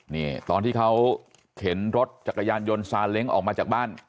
นี่ตอนที่เขาเข็นรถจักรยานยนต์ซาเล้งออกมาจากบ้าน